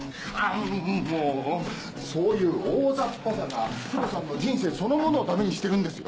もうそういう大ざっぱさが黒さんの人生そのものを駄目にしてるんですよ！